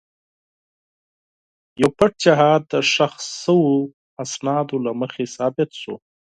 یو پټ جهاد د ښخ شوو اسنادو له مخې ثابت شو.